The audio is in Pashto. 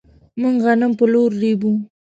موږ غنم په لور ريبو.